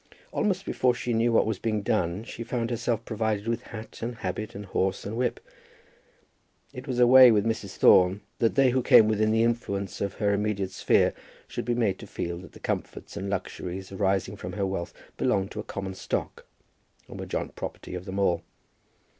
Almost before she knew what was being done she found herself provided with hat and habit and horse and whip. It was a way with Mrs. Thorne that they who came within the influence of her immediate sphere should be made to feel that the comforts and luxuries arising from her wealth belonged to a common stock, and were the joint property of them all.